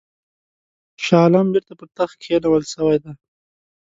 شاه عالم بیرته پر تخت کښېنول سوی دی.